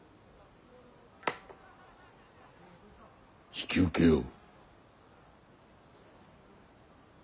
引き受けよう。